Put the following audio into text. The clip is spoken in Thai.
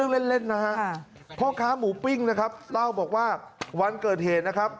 เพราะข้าหมูปิ้งนะครับเราบอกว่าวันเกิดเหตุนะครับ